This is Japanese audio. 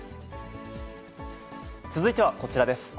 続いてはこちらです。